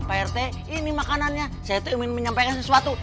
pak rt ini makanannya saya ingin menyampaikan sesuatu